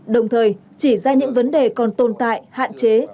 đồng thời chỉ ra những vấn đề còn tồn tại hạn chế